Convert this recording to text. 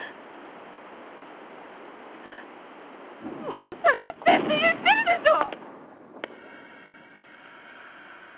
もう下がってって言ってるでしょ！